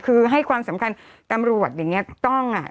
คือให้ความสำคัญตำรวจอย่างนี้ต้องอ่ะ